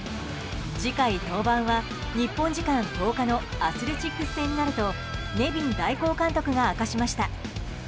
次回登板は、日本時間１０日のアスレチックス戦になるとネビン代行監督が明かしました。